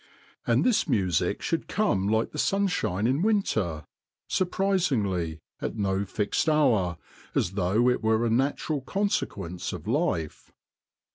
And this music should come like the sun shine in winter, surprisingly, at no fixed hour, as though it were a natural conse quence of life.